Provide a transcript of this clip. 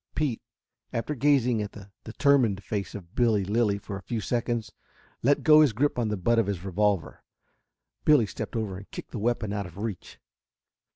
Pete, after gazing at the determined face of Billy Lilly for a few seconds, let go his grip on the butt of his revolver. Billy stepped over and kicked the weapon out of reach.